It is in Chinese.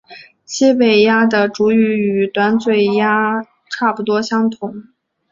西北鸦的主羽与短嘴鸦差不多相同。